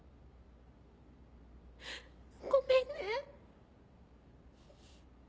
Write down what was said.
ごめんね！